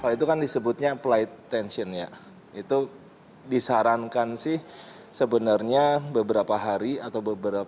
itu kan disebutnya flight tension ya itu disarankan sih sebenarnya beberapa hari atau beberapa